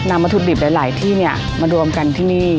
วัตถุดิบหลายที่เนี่ยมารวมกันที่นี่